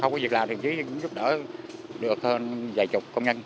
không có gì làm thì chứ cũng giúp đỡ được hơn vài chục công nhân